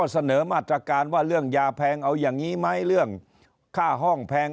เสนอมาตรการว่าเรื่องยาแพงเอาอย่างนี้ไหมเรื่องค่าห้องแพง